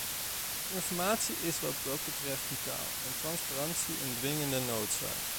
Informatie is wat dat betreft vitaal en transparantie een dwingende noodzaak.